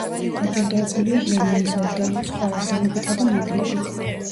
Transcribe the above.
დაჯილდოებულია ლენინის ორდენით, სხვა ორდენებითა და მედლებით.